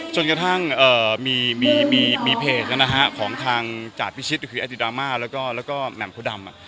จนกระทั่งมีเพจนะฮะของทางจาดพิชิตก็คืออาจิรามาแล้วก็แหม่มโพดำ